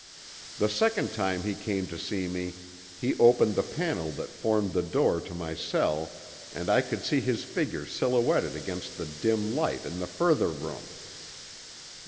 "The second time he came to see me he opened the panel that formed the door to my cell and I could see his figure silhouetted against the dim light in the further room.